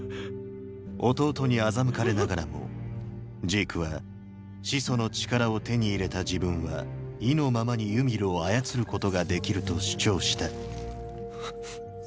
弟に欺かれながらもジークは始祖の力を手に入れた自分は意のままにユミルを操ることができると主張した！